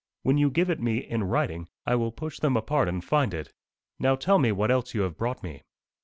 When you give it me in writing, I will push them apart and find it. Now, tell me what else you have brought me."